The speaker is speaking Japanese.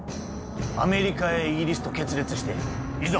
アメリカやイギリスと決裂していざ